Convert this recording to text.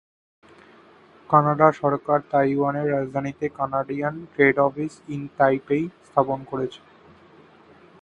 Canada সরকার তাইওয়ানের রাজধানীতে Canadian trade office in Taipei স্থাপন করেছে।